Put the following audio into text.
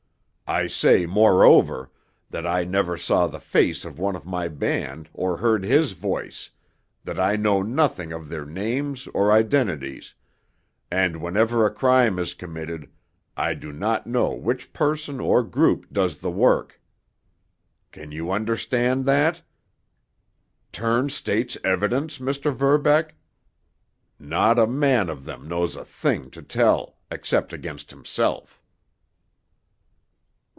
I say, moreover, that I never saw the face of one of my band or heard his voice, that I know nothing of their names or identities, and, whenever a crime is committed, I do not know which person or group does the work. Can you understand that? Turn state's evidence, Mr. Verbeck? Not a man of them knows a thing to tell, except against himself."